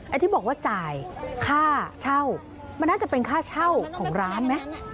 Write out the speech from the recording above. ที่บอกว่าจ่ายค่าเช่ามันน่าจะเป็นค่าเช่าของร้านไหม